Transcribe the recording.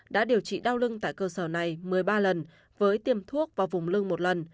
đã điều trị đau lưng tại cơ sở này một mươi ba lần với tiêm thuốc vào vùng lưng một lần